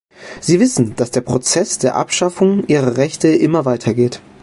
Sie wissen, dass der Prozess der Abschaffung ihrer Rechte immer weitergeht.